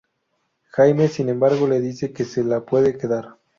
Jaime, sin embargo, le dice que se la puede quedar.